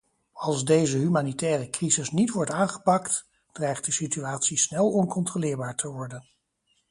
Als deze humanitaire crisis niet wordt aangepakt, dreigt de situatie snel oncontroleerbaar te worden.